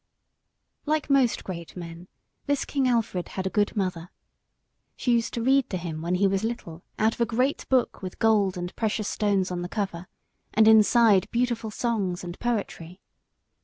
Like most great men, this King Alfred had a good mother. She used to read to him, when he was little, out of a great book with gold and precious stones on the cover, and inside beautiful songs and poetry.